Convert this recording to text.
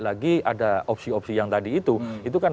lagi ada opsi opsi yang tadi itu itu kan